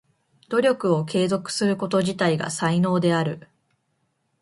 努力を継続すること自体が才能である。